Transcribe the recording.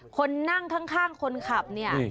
คนนั่งข้างคนขับเนี่ย